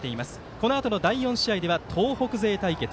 このあとの第４試合では東北勢対決。